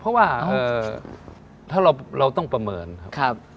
เพราะว่าถ้าเราต้องประเมินครับ